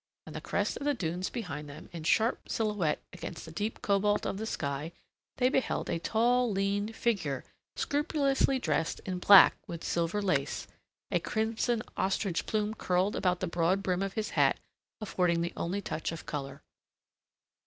On the crest of the dunes behind them, in sharp silhouette against the deep cobalt of the sky, they beheld a tall, lean figure scrupulously dressed in black with silver lace, a crimson ostrich plume curled about the broad brim of his hat affording the only touch of colour.